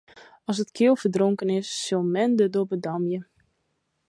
As it keal ferdronken is, sil men de dobbe damje.